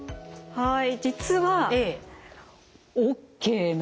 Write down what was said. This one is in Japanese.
はい。